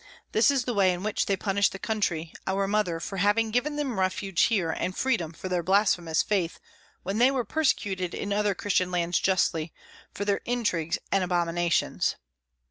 This is the way in which they punish the country, our mother, for having given them refuge here and freedom for their blasphemous faith when they were persecuted in other Christian lands justly, for their intrigues and abominations."